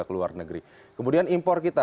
keluar negeri kemudian impor kita